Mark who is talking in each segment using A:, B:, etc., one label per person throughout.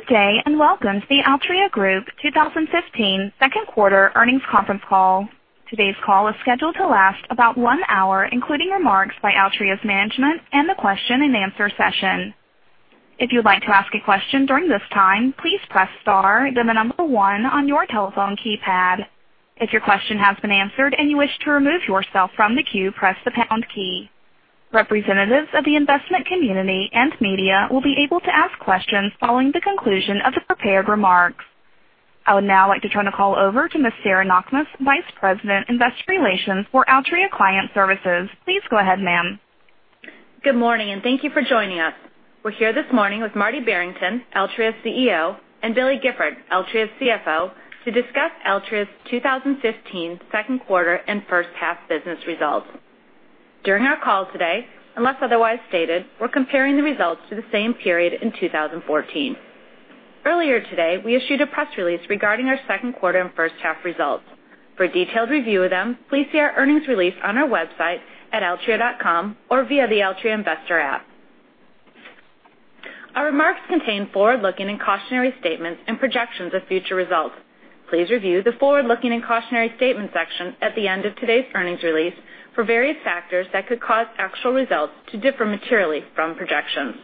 A: Good day, and welcome to the Altria Group 2015 second quarter earnings conference call. Today's call is scheduled to last about one hour, including remarks by Altria's management and the question and answer session. If you'd like to ask a question during this time, please press star, then the number one on your telephone keypad. If your question has been answered and you wish to remove yourself from the queue, press the pound key. Representatives of the investment community and media will be able to ask questions following the conclusion of the prepared remarks. I would now like to turn the call over to Ms. Sarah Knakmuhs, Vice President, Investor Relations for Altria Client Services. Please go ahead, ma'am.
B: Good morning. Thank you for joining us. We're here this morning with Marty Barrington, Altria's CEO, and Billy Gifford, Altria's CFO, to discuss Altria's 2015 second quarter and first half business results. During our call today, unless otherwise stated, we're comparing the results to the same period in 2014. Earlier today, we issued a press release regarding our second quarter and first half results. For a detailed review of them, please see our earnings release on our website at altria.com or via the Altria investor app. Our remarks contain forward-looking and cautionary statements and projections of future results. Please review the forward-looking and cautionary statements section at the end of today's earnings release for various factors that could cause actual results to differ materially from projections.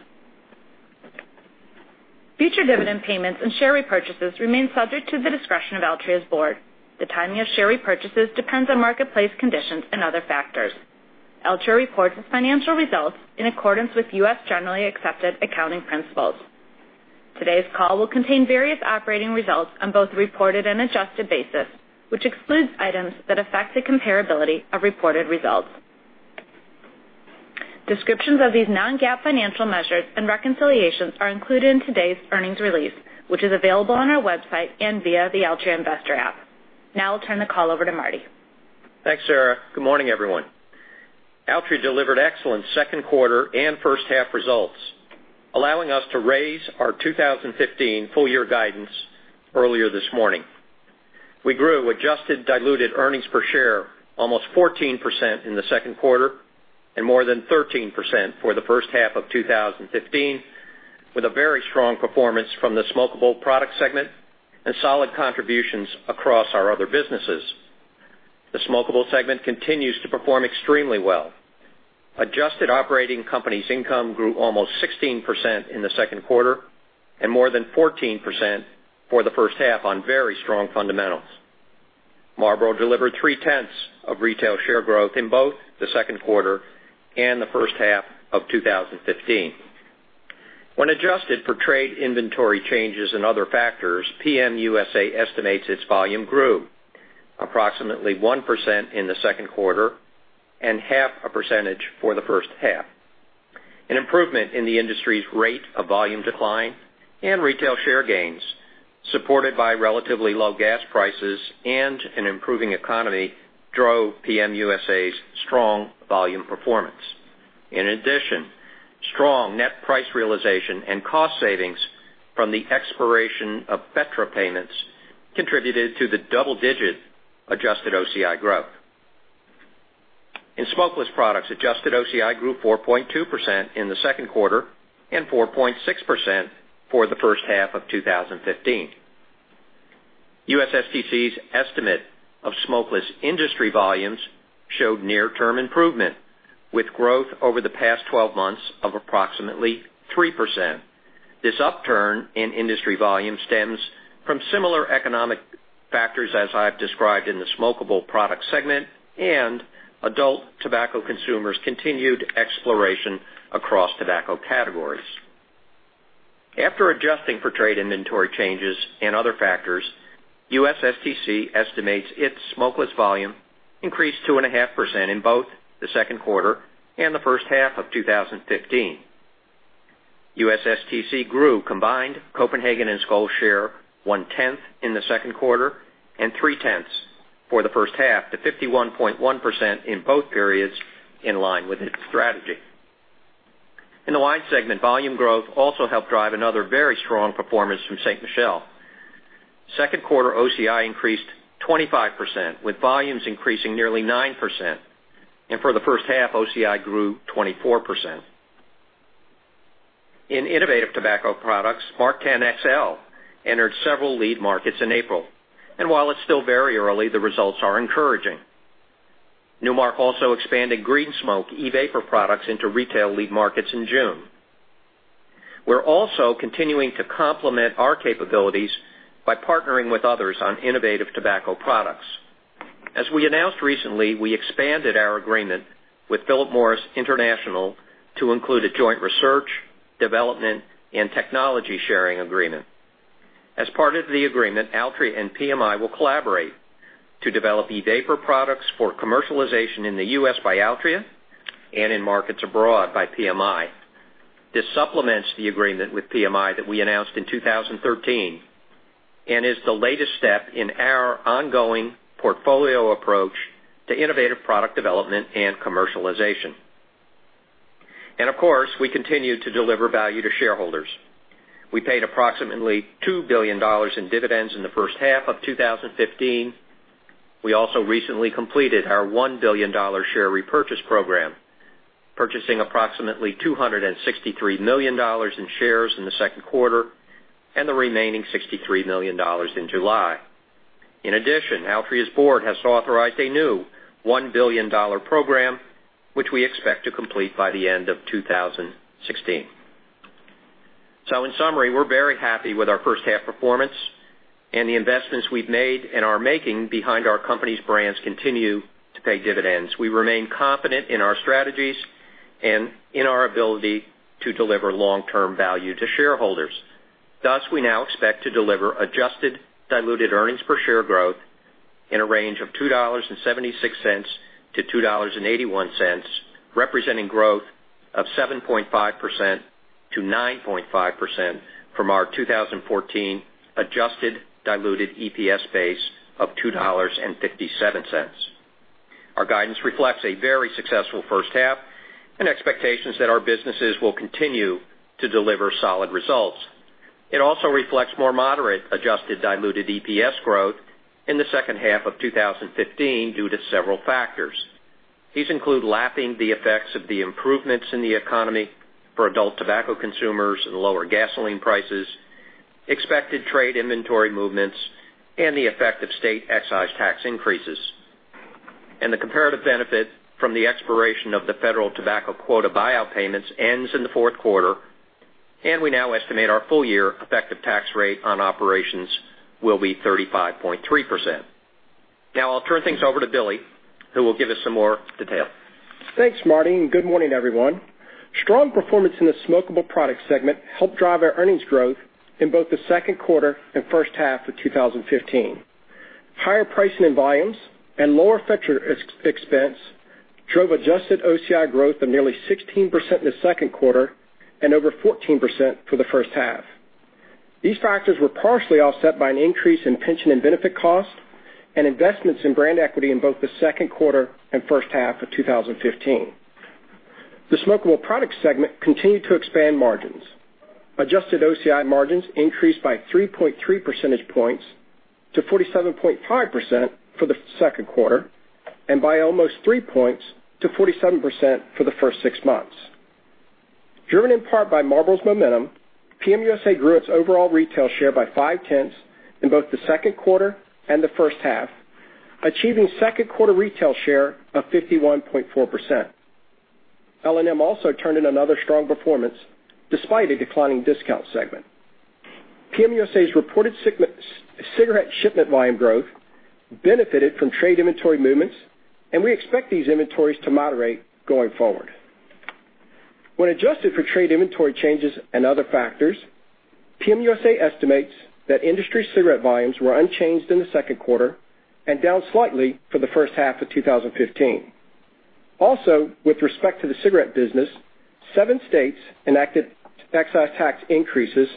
B: Future dividend payments and share repurchases remain subject to the discretion of Altria's board. The timing of share repurchases depends on marketplace conditions and other factors. Altria reports its financial results in accordance with U.S. Generally Accepted Accounting Principles. Today's call will contain various operating results on both reported and adjusted basis, which excludes items that affect the comparability of reported results. Descriptions of these non-GAAP financial measures and reconciliations are included in today's earnings release, which is available on our website and via the Altria investor app. I'll turn the call over to Marty.
C: Thanks, Sarah. Good morning, everyone. Altria delivered excellent second quarter and first half results, allowing us to raise our 2015 full year guidance earlier this morning. We grew adjusted diluted EPS almost 14% in the second quarter and more than 13% for the first half of 2015, with a very strong performance from the smokable product segment and solid contributions across our other businesses. The smokable segment continues to perform extremely well. Adjusted operating company's income grew almost 16% in the second quarter and more than 14% for the first half on very strong fundamentals. Marlboro delivered three-tenths of retail share growth in both the second quarter and the first half of 2015. When adjusted for trade inventory changes and other factors, PM USA estimates its volume grew approximately 1% in the second quarter and half a percentage for the first half. An improvement in the industry's rate of volume decline and retail share gains, supported by relatively low gas prices and an improving economy, drove PM USA's strong volume performance. In addition, strong net price realization and cost savings from the expiration of FETRA payments contributed to the double-digit adjusted OCI growth. In smokeless products, adjusted OCI grew 4.2% in the second quarter and 4.6% for the first half of 2015. USSTC's estimate of smokeless industry volumes showed near-term improvement, with growth over the past 12 months of approximately 3%. This upturn in industry volume stems from similar economic factors as I've described in the smokable product segment and adult tobacco consumers' continued exploration across tobacco categories. After adjusting for trade inventory changes and other factors, USSTC estimates its smokeless volume increased 2.5% in both the second quarter and the first half of 2015. USSTC grew combined Copenhagen and Skoal share one-tenth in the second quarter and three-tenths for the first half to 51.1% in both periods, in line with its strategy. In the wine segment, volume growth also helped drive another very strong performance from Ste. Michelle. Second quarter OCI increased 25%, with volumes increasing nearly 9% and for the first half, OCI grew 24%. In innovative tobacco products, MarkTen XL entered several lead markets in April, and while it's still very early, the results are encouraging. Nu Mark also expanded Green Smoke e-vapor products into retail lead markets in June. We're also continuing to complement our capabilities by partnering with others on innovative tobacco products. As we announced recently, we expanded our agreement with Philip Morris International to include a joint research, development, and technology sharing agreement. As part of the agreement, Altria and PMI will collaborate to develop e-vapor products for commercialization in the U.S. by Altria and in markets abroad by PMI. This supplements the agreement with PMI that we announced in 2013 and is the latest step in our ongoing portfolio approach to innovative product development and commercialization. Of course, we continue to deliver value to shareholders. We paid approximately $2 billion in dividends in the first half of 2015. We also recently completed our $1 billion share repurchase program, purchasing approximately $263 million in shares in the second quarter and the remaining $63 million in July. In addition, Altria's board has authorized a new $1 billion program, which we expect to complete by the end of 2016. In summary, we're very happy with our first half performance, and the investments we've made and are making behind our company's brands continue to pay dividends. We remain confident in our strategies and in our ability to deliver long-term value to shareholders. Thus, we now expect to deliver adjusted diluted earnings per share growth in a range of $2.76-$2.81, representing growth of 7.5%-9.5% from our 2014 adjusted diluted EPS base of $2.57. Our guidance reflects a very successful first half and expectations that our businesses will continue to deliver solid results. It also reflects more moderate adjusted diluted EPS growth in the second half of 2015 due to several factors. These include lapping the effects of the improvements in the economy for adult tobacco consumers and lower gasoline prices, expected trade inventory movements, and the effect of state excise tax increases. The comparative benefit from the expiration of the federal tobacco quota buyout payments ends in the fourth quarter, and we now estimate our full-year effective tax rate on operations will be 35.3%. I'll turn things over to Billy, who will give us some more detail.
D: Thanks, Marty, and good morning, everyone. Strong performance in the smokable product segment helped drive our earnings growth in both the second quarter and first half of 2015. Higher pricing and volumes and lower fixture expense drove adjusted OCI growth of nearly 16% in the second quarter and over 14% for the first half. These factors were partially offset by an increase in pension and benefit costs and investments in brand equity in both the second quarter and first half of 2015. The smokable product segment continued to expand margins. Adjusted OCI margins increased by 3.3 percentage points to 47.5% for the second quarter and by almost three points to 47% for the first six months. Driven in part by Marlboro's momentum, PM USA grew its overall retail share by five tenths in both the second quarter and the first half, achieving second quarter retail share of 51.4%. L&M also turned in another strong performance, despite a declining discount segment. PM USA's reported cigarette shipment volume growth benefited from trade inventory movements. We expect these inventories to moderate going forward. When adjusted for trade inventory changes and other factors, PM USA estimates that industry cigarette volumes were unchanged in the second quarter and down slightly for the first half of 2015. With respect to the cigarette business, seven states enacted excise tax increases,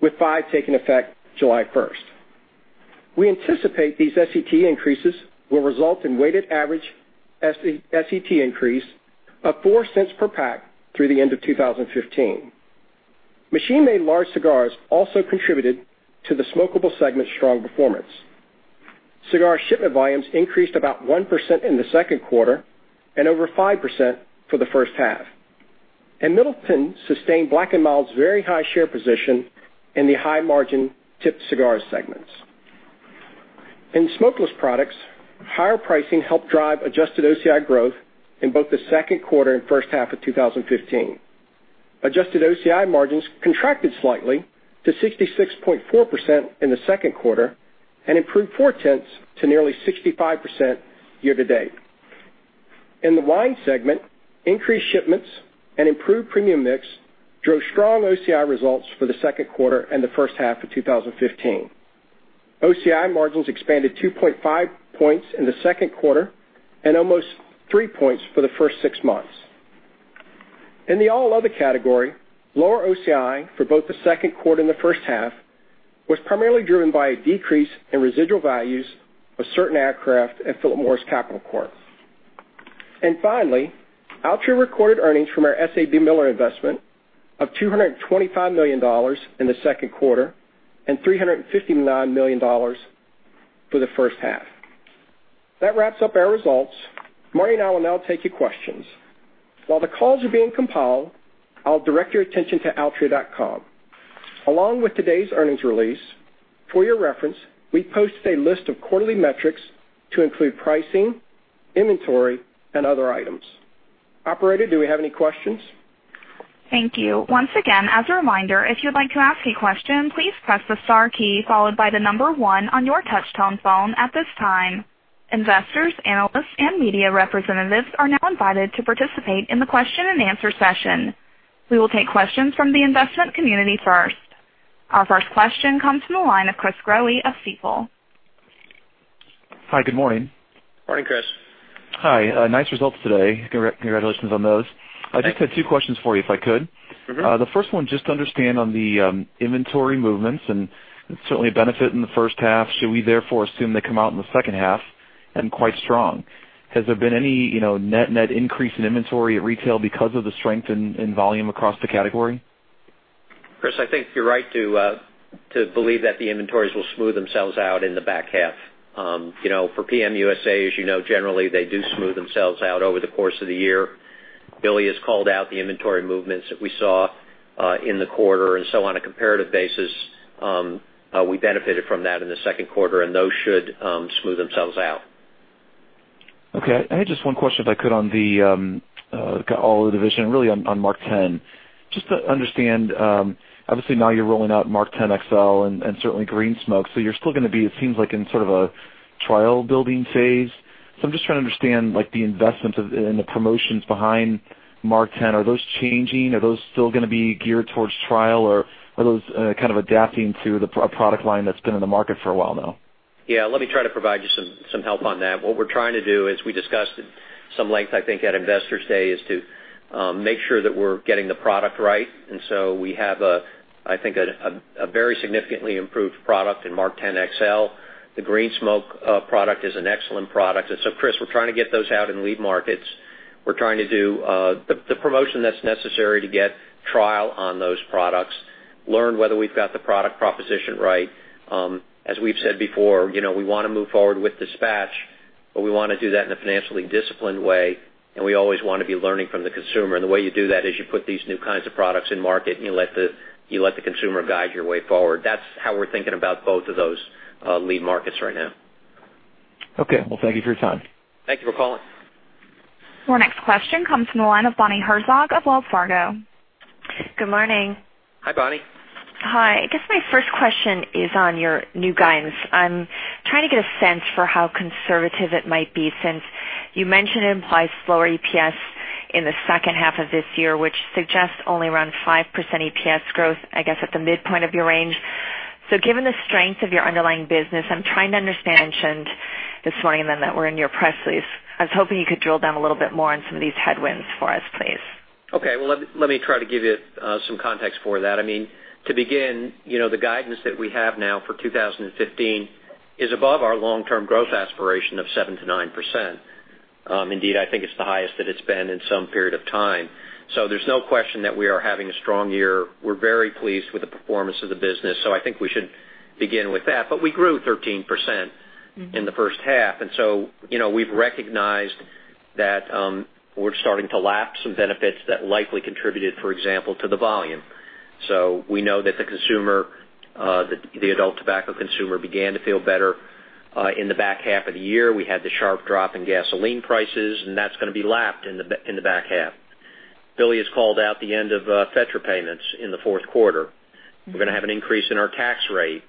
D: with five taking effect July 1st. We anticipate these SET increases will result in weighted average SET increase of $0.04 per pack through the end of 2015. Machine-made large cigars also contributed to the smokable segment's strong performance. Cigar shipment volumes increased about 1% in the second quarter and over 5% for the first half. Middleton sustained Black & Mild's very high share position in the high-margin tipped cigar segments. In smokeless products, higher pricing helped drive adjusted OCI growth in both the second quarter and first half of 2015. Adjusted OCI margins contracted slightly to 66.4% in the second quarter and improved four tenths to nearly 65% year to date. In the wine segment, increased shipments and improved premium mix drove strong OCI results for the second quarter and the first half of 2015. OCI margins expanded 2.5 points in the second quarter and almost three points for the first six months. In the all other category, lower OCI for both the second quarter and the first half was primarily driven by a decrease in residual values of certain aircraft at Philip Morris Capital Corp. Finally, Altria recorded earnings from our SABMiller investment of $225 million in the second quarter and $359 million for the first half. That wraps up our results. Marty and I will now take your questions. While the calls are being compiled, I will direct your attention to altria.com. Along with today's earnings release, for your reference, we have posted a list of quarterly metrics to include pricing, inventory, and other items. Operator, do we have any questions?
A: Thank you. Once again, as a reminder, if you would like to ask a question, please press the star key followed by the number one on your touch-tone phone at this time. Investors, analysts, and media representatives are now invited to participate in the question and answer session. We will take questions from the investment community first. Our first question comes from the line of Chris Growe of Stifel.
E: Hi, good morning.
D: Morning, Chris.
E: Hi. Nice results today. Congratulations on those.
C: Thank you.
E: I just had two questions for you if I could. The first one, just to understand on the inventory movements and certainly a benefit in the first half. Should we therefore assume they come out in the second half and quite strong? Has there been any net increase in inventory at retail because of the strength in volume across the category? Chris, I think you're right to believe that the inventories will smooth themselves out in the back half. For PM USA, as you know, generally, they do smooth themselves out over the course of the year. Billy has called out the inventory movements that we saw in the quarter, and so on a comparative basis, we benefited from that in the second quarter, and those should smooth themselves out. Okay. I had just one question, if I could, on the all other division, really on MarkTen. Just to understand, obviously, now you're rolling out MarkTen XL and certainly Green Smoke. You're still going to be, it seems like, in sort of a trial-building phase. I'm just trying to understand the investments and the promotions behind MarkTen. Are those changing? Are those still going to be geared towards trial, or are those kind of adapting to a product line that's been in the market for a while now?
C: Yeah, let me try to provide you some help on that. What we're trying to do, as we discussed at some length, I think, at Investor Day, is to make sure that we're getting the product right. We have, I think, a very significantly improved product in MarkTen XL. The Green Smoke product is an excellent product. Chris, we're trying to get those out in lead markets. We're trying to do the promotion that's necessary to get trial on those products, learn whether we've got the product proposition right. As we've said before, we want to move forward with dispatch, but we want to do that in a financially disciplined way, and we always want to be learning from the consumer. The way you do that is you put these new kinds of products in market, and you let the consumer guide your way forward. That's how we're thinking about both of those lead markets right now.
E: Okay. Well, thank you for your time.
C: Thank you for calling.
A: Our next question comes from the line of Bonnie Herzog of Wells Fargo.
F: Good morning.
C: Hi, Bonnie.
F: Hi. I guess my first question is on your new guidance. I'm trying to get a sense for how conservative it might be since you mentioned it implies slower EPS in the second half of this year, which suggests only around 5% EPS growth, I guess, at the midpoint of your range. Given the strength of your underlying business, mentioned this morning that were in your press release. I was hoping you could drill down a little bit more on some of these headwinds for us, please.
C: Okay. Well, let me try to give you some context for that. To begin, the guidance that we have now for 2015 is above our long-term growth aspiration of 7%-9%. Indeed, I think it's the highest that it's been in some period of time. There's no question that we are having a strong year. We're very pleased with the performance of the business, I think we should begin with that. We grew 13% in the first half, we've recognized that we're starting to lap some benefits that likely contributed, for example, to the volume. We know that the adult tobacco consumer began to feel better in the back half of the year. We had the sharp drop in gasoline prices, and that's going to be lapped in the back half. Billy has called out the end of FETRA payments in the fourth quarter. We're going to have an increase in our tax rate.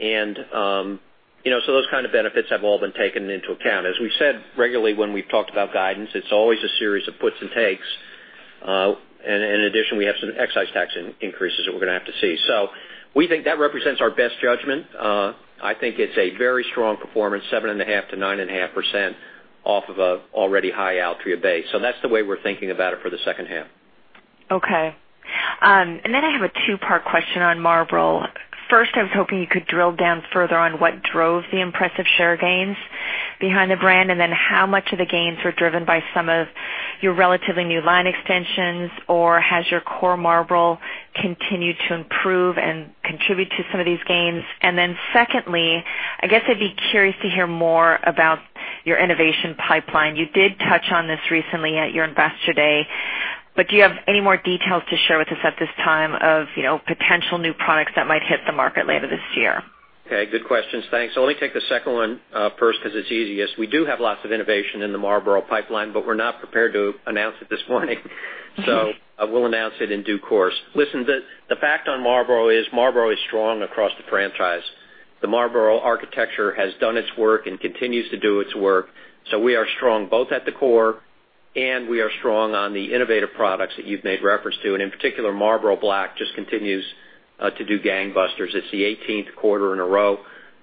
C: Those kind of benefits have all been taken into account. As we've said regularly when we've talked about guidance, it's always a series of puts and takes. In addition, we have some excise tax increases that we're going to have to see. We think that represents our best judgment. I think it's a very strong performance, 7.5%-9.5% off of a already high Altria base. That's the way we're thinking about it for the second half.
F: Okay. I have a two-part question on Marlboro. First, I was hoping you could drill down further on what drove the impressive share gains behind the brand, how much of the gains were driven by some of your relatively new line extensions, or has your core Marlboro continued to improve and contribute to some of these gains? Secondly, I guess I'd be curious to hear more about your innovation pipeline. You did touch on this recently at your Investor Day, do you have any more details to share with us at this time of potential new products that might hit the market later this year?
C: Okay, good questions. Thanks. I'll only take the second one first because it's easiest. We do have lots of innovation in the Marlboro pipeline, but we're not prepared to announce it this morning. We'll announce it in due course. Listen, the fact on Marlboro is Marlboro is strong across the franchise. The Marlboro architecture has done its work and continues to do its work. We are strong both at the core and we are strong on the innovative products that you've made reference to. In particular, Marlboro Black just continues to do gangbusters. It's the 18th quarter in a row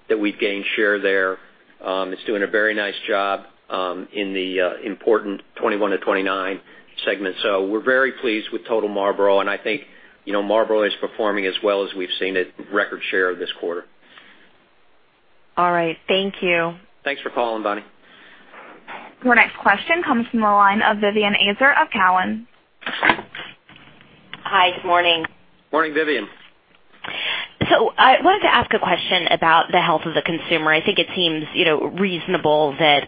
C: that we've gained share there. It's doing a very nice job in the important 21 to 29 segment. We're very pleased with total Marlboro, and I think Marlboro is performing as well as we've seen it, record share this quarter.
F: All right. Thank you.
C: Thanks for calling, Bonnie.
A: Your next question comes from the line of Vivien Azer of Cowen.
G: Hi. Good morning.
C: Morning, Vivien.
G: I wanted to ask a question about the health of the consumer. I think it seems reasonable that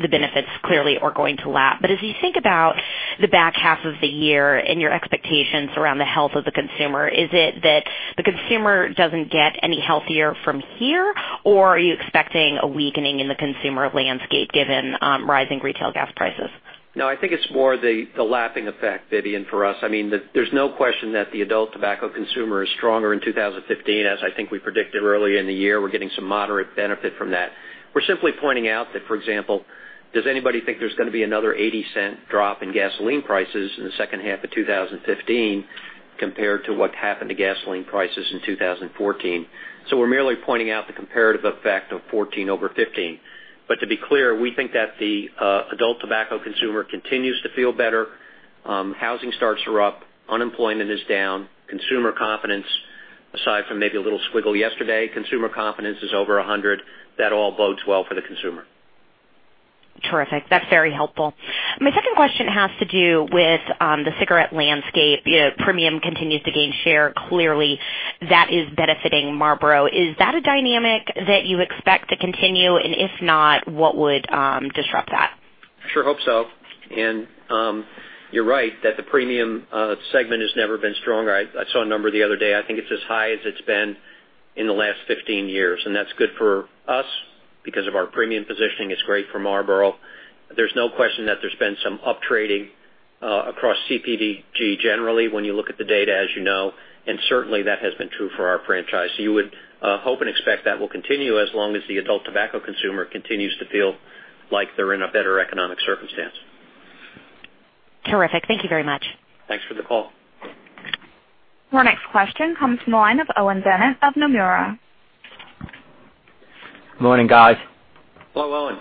G: the benefits clearly are going to lap. As you think about the back half of the year and your expectations around the health of the consumer, is it that the consumer doesn't get any healthier from here, or are you expecting a weakening in the consumer landscape given rising retail gas prices?
C: No, I think it's more the lapping effect, Vivien, for us. There's no question that the adult tobacco consumer is stronger in 2015, as I think we predicted early in the year. We're getting some moderate benefit from that. We're simply pointing out that, for example, does anybody think there's going to be another $0.80 drop in gasoline prices in the second half of 2015 compared to what happened to gasoline prices in 2014? We're merely pointing out the comparative effect of 2014 over 2015. To be clear, we think that the adult tobacco consumer continues to feel better. Housing starts are up. Unemployment is down. Consumer confidence, aside from maybe a little squiggle yesterday, consumer confidence is over 100. That all bodes well for the consumer.
G: Terrific. That's very helpful. My second question has to do with the cigarette landscape. Premium continues to gain share. Clearly, that is benefiting Marlboro. Is that a dynamic that you expect to continue, and if not, what would disrupt that?
C: I sure hope so. You're right that the premium segment has never been stronger. I saw a number the other day. I think it's as high as it's been in the last 15 years, and that's good for us because of our premium positioning. It's great for Marlboro. There's no question that there's been some up-trading across CPG generally when you look at the data, as you know, and certainly that has been true for our franchise. You would hope and expect that will continue as long as the adult tobacco consumer continues to feel like they're in a better economic circumstance.
G: Terrific. Thank you very much.
C: Thanks for the call.
A: Our next question comes from the line of Owen Bennett of Nomura.
H: Morning, guys.
C: Hello, Owen.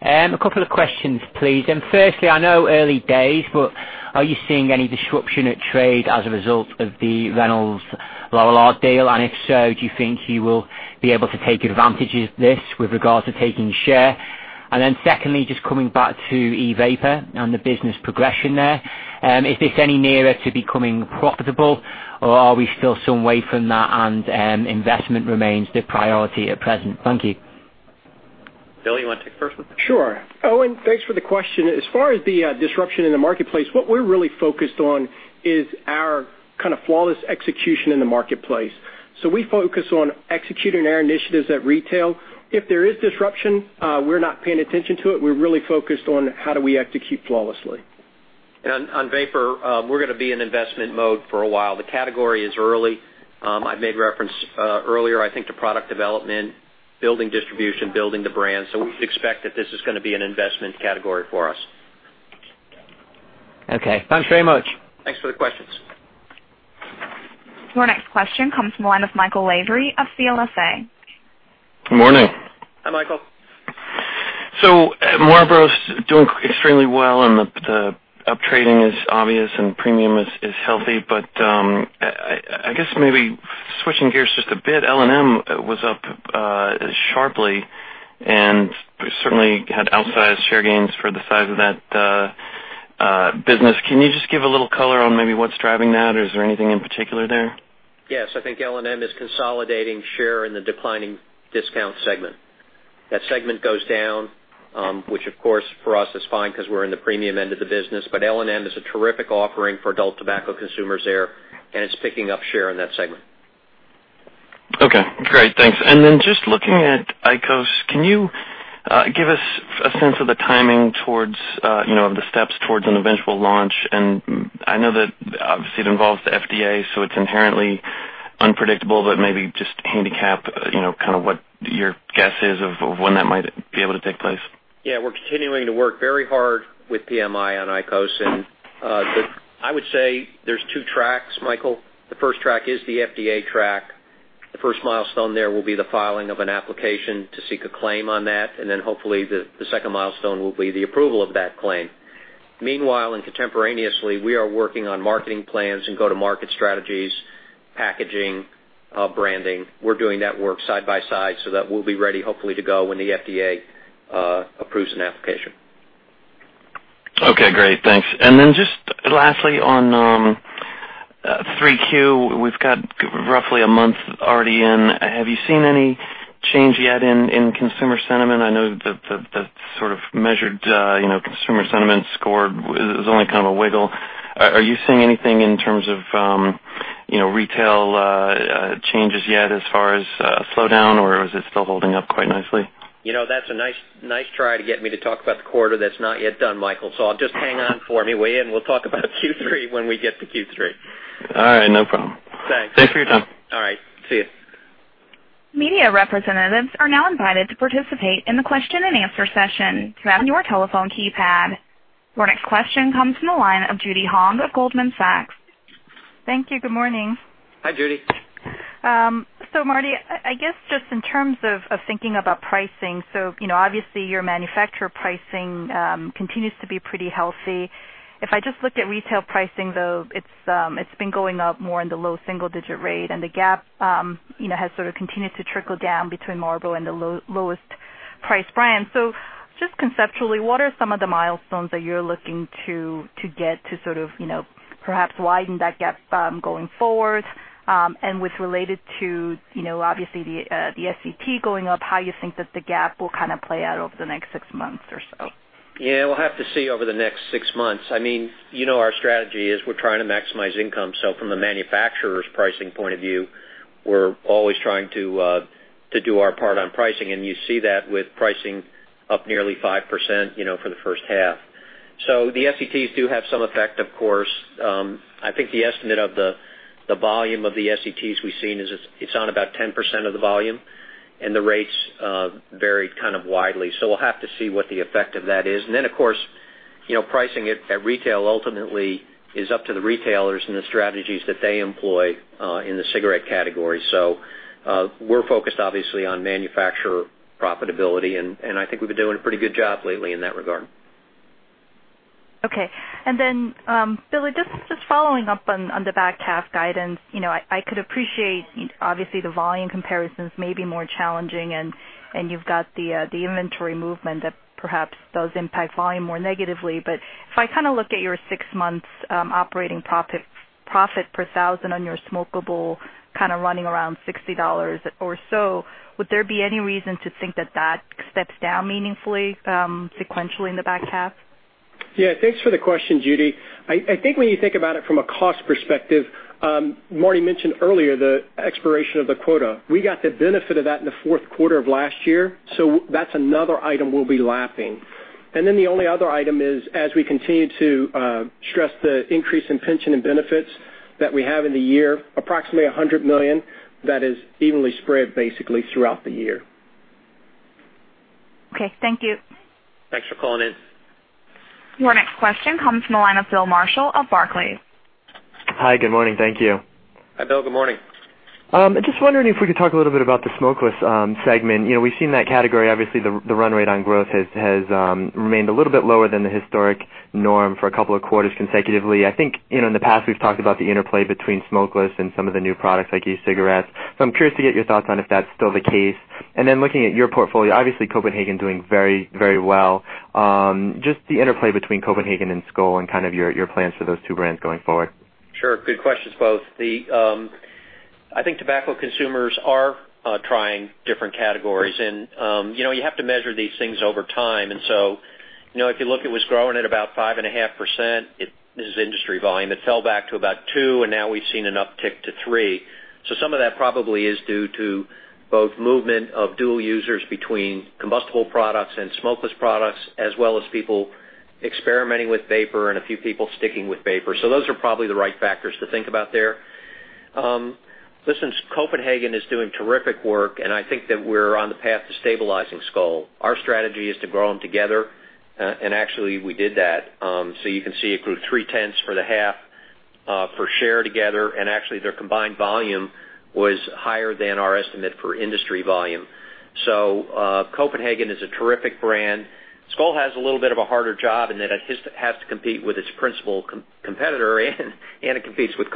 H: A couple of questions, please. Firstly, I know early days, but are you seeing any disruption at trade as a result of the Reynolds Lorillard deal? If so, do you think you will be able to take advantage of this with regards to taking share? Then secondly, just coming back to e-vapor and the business progression there. Is this any nearer to becoming profitable or are we still some way from that and investment remains the priority at present? Thank you.
C: Bill, you want to take the first one?
D: Sure. Owen, thanks for the question. As far as the disruption in the marketplace, what we're really focused on is our flawless execution in the marketplace. We focus on executing our initiatives at retail. If there is disruption, we're not paying attention to it. We're really focused on how do we execute flawlessly.
C: On vapor, we're going to be in investment mode for a while. The category is early. I made reference earlier, I think, to product development, building distribution, building the brand. We would expect that this is going to be an investment category for us.
H: Okay. Thanks very much.
C: Thanks for the questions.
A: Our next question comes from the line of Michael Lavery of CLSA.
I: Good morning.
C: Hi, Michael.
I: Marlboro's doing extremely well and the up-trading is obvious and premium is healthy. I guess maybe switching gears just a bit, L&M was up sharply and certainly had outsized share gains for the size of that business. Can you just give a little color on maybe what's driving that? Is there anything in particular there?
C: I think L&M is consolidating share in the declining discount segment. That segment goes down, which of course for us is fine because we're in the premium end of the business. L&M is a terrific offering for adult tobacco consumers there, and it's picking up share in that segment.
I: Okay, great. Thanks. Just looking at IQOS, can you give us a sense of the timing of the steps towards an eventual launch? I know that obviously it involves the FDA, so it's inherently unpredictable, but maybe just handicap what your guess is of when that might be able to take place.
C: We're continuing to work very hard with PMI on IQOS. I would say there's two tracks, Michael. The first track is the FDA track. The first milestone there will be the filing of an application to seek a claim on that, hopefully the second milestone will be the approval of that claim. Meanwhile, we are working on marketing plans and go-to-market strategies, packaging, branding. We're doing that work side by side so that we'll be ready hopefully to go when the FDA approves an application.
I: Okay, great. Thanks. Just lastly on 3Q, we've got roughly a month already in. Have you seen any change yet in consumer sentiment? I know the sort of measured consumer sentiment score is only kind of a wiggle. Are you seeing anything in terms of retail changes yet as far as a slowdown, or is it still holding up quite nicely?
C: That's a nice try to get me to talk about the quarter that's not yet done, Michael. Just hang on for me way in. We'll talk about Q3 when we get to Q3.
I: All right, no problem.
C: Thanks.
I: Thanks for your time.
C: All right. See you.
A: Media representatives are now invited to participate in the question and answer session from your telephone keypad. Your next question comes from the line of Judy Hong of Goldman Sachs.
J: Thank you. Good morning.
C: Hi, Judy.
J: Marty, I guess just in terms of thinking about pricing, obviously your manufacturer pricing continues to be pretty healthy. If I just looked at retail pricing, though, it has been going up more in the low single-digit rate and the gap has sort of continued to trickle down between Marlboro and the lowest price brand. Just conceptually, what are some of the milestones that you are looking to get to sort of perhaps widen that gap going forward? With related to obviously the SET going up, how you think that the gap will kind of play out over the next six months or so?
C: We'll have to see over the next six months. Our strategy is we're trying to maximize income. From the manufacturer's pricing point of view, we're always trying to do our part on pricing. You see that with pricing up nearly 5% for the first half. The SETs do have some effect, of course. I think the estimate of the volume of the SETs we've seen is it's on about 10% of the volume and the rates varied kind of widely. We'll have to see what the effect of that is. Then, of course, pricing at retail ultimately is up to the retailers and the strategies that they employ in the cigarette category. We're focused obviously on manufacturer profitability, and I think we've been doing a pretty good job lately in that regard.
J: Okay. Then, Billy, just following up on the back half guidance. I could appreciate, obviously, the volume comparisons may be more challenging, and you've got the inventory movement that perhaps does impact volume more negatively. If I look at your six months operating profit per thousand on your smokable running around $60 or so, would there be any reason to think that that steps down meaningfully sequentially in the back half?
D: Thanks for the question, Judy. I think when you think about it from a cost perspective, Marty mentioned earlier the expiration of the quota. We got the benefit of that in the fourth quarter of last year, that's another item we'll be lapping. Then the only other item is as we continue to stress the increase in pension and benefits that we have in the year, approximately $100 million, that is evenly spread, basically, throughout the year.
J: Okay, thank you.
C: Thanks for calling in.
A: Your next question comes from the line of Bill Marshall of Barclays.
K: Hi, good morning. Thank you.
C: Hi, Bill. Good morning.
K: I'm just wondering if we could talk a little bit about the smokeless segment. We've seen that category, obviously, the run rate on growth has remained a little bit lower than the historic norm for a couple of quarters consecutively. I think, in the past, we've talked about the interplay between smokeless and some of the new products like e-cigarettes. I'm curious to get your thoughts on if that's still the case. Looking at your portfolio, obviously Copenhagen doing very well. Just the interplay between Copenhagen and Skoal and your plans for those two brands going forward.
C: Sure. Good questions, both. I think tobacco consumers are trying different categories, and you have to measure these things over time. If you look at what's growing at about 5.5%, it is industry volume. It fell back to about 2%, and now we've seen an uptick to 3%. Some of that probably is due to both movement of dual users between combustible products and smokeless products, as well as people experimenting with vapor and a few people sticking with vapor. Those are probably the right factors to think about there. Listen, Copenhagen is doing terrific work, and I think that we're on the path to stabilizing Skoal. Our strategy is to grow them together, and actually we did that. You can see it grew three-tenths for the half per share together, and actually their combined volume was higher than our estimate for industry volume. Copenhagen is a terrific brand. Skoal has a little bit of a harder job in that it has to compete with its principal competitor and it competes with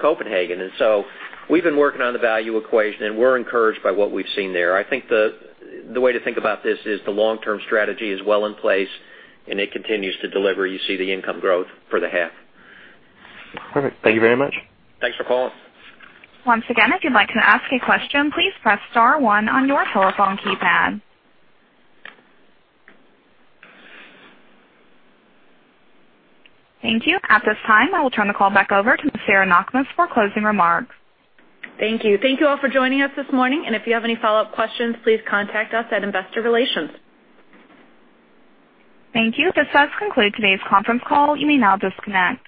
C: Copenhagen. We've been working on the value equation, and we're encouraged by what we've seen there. I think the way to think about this is the long-term strategy is well in place, and it continues to deliver. You see the income growth for the half.
K: Perfect. Thank you very much.
C: Thanks for calling.
A: Once again, if you'd like to ask a question, please press * one on your telephone keypad. Thank you. At this time, I will turn the call back over to Sarah Knakmuhs for closing remarks.
B: Thank you. Thank you all for joining us this morning, and if you have any follow-up questions, please contact us at investor relations.
A: Thank you. This does conclude today's conference call. You may now disconnect.